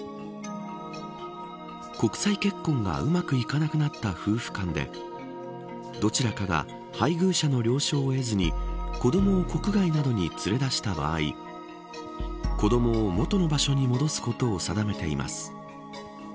国際結婚がうまくいかなくなった夫婦間でどちらかが、配偶者の了承を得ずに子どもを国外などに連れ出した場合子ども元の場所に戻すことを定めています。